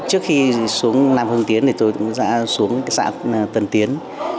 trước khi xuống nam hưng tiến thì tôi cũng đã xuống xã tân tiến